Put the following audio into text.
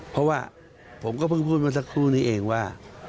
เพราะว่าผมก็เพิ่งพูดมาสักครู่นี้เองว่า